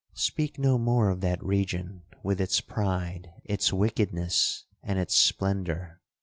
Speak no more of that region, with its pride, its wickedness, and its splendour!